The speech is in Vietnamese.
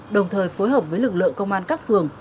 đồng thời phối hợp với lực lượng công an các phường